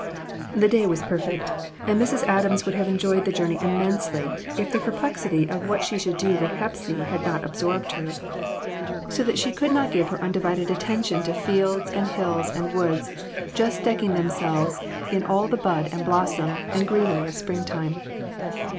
The day was perfect, and Mrs. Adams would have enjoyed the journey immensely if the per plexity of what she should do with Hepsy had not IMPROMPTU VISITS. IO/ absorbed her so that she could not give her undi vided attention to fields and hills and woods, just decking themselves in all the bud and blossom and greenery of springtime.